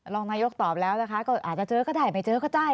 รองนายกตอบแล้วนะคะก็อาจจะเจอก็ได้ไม่เจอก็ได้